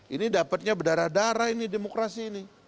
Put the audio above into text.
ini dapatnya berdarah darah ini demokrasi ini